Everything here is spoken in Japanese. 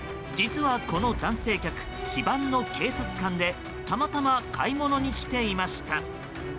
実は、この男性客非番の警察官でたまたま買い物に来ていました。